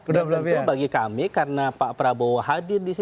kedua belah pihak tentu bagi kami karena pak prabowo hadir disitu